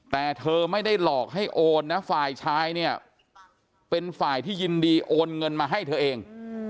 แต่เธอไม่ได้หลอกให้โอนนะฝ่ายชายเนี่ยเป็นฝ่ายที่ยินดีโอนเงินมาให้เธอเอง